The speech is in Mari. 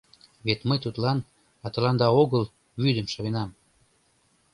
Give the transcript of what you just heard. Вет мый тудлан, а тыланда огыл, вӱдым шавенам.